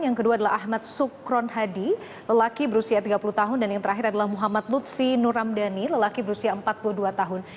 yang kedua adalah ahmad sukron hadi lelaki berusia tiga puluh tahun dan yang terakhir adalah muhammad lutfi nuramdani lelaki berusia empat puluh dua tahun